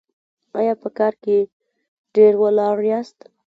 ایا په کار کې ډیر ولاړ یاست؟